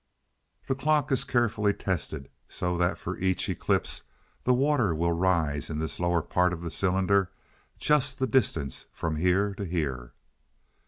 The clock is carefully tested, so that for each eclipse the water will rise in this lower part of the cylinder, just the distance from here to here."